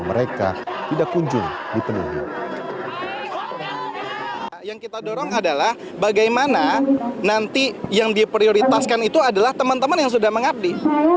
mereka tidak kunjung di penuhi